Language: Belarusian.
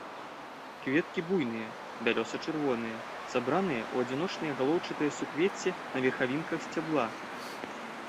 Кветкі буйныя, бялёса-чырвоныя, сабраныя ў адзіночныя галоўчатыя суквецці на верхавінках сцябла.